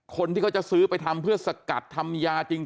คนที่เขาจะซื้อไปทำเพื่อสกัดทำยาจริง